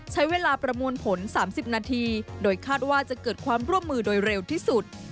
ใช้เวลาประมวลผล๓๐นาทีโดยคาดว่าจะเกิดความร่วมมือโดยเร็วที่สุด